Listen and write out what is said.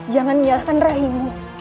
jangan menyalahkan raimu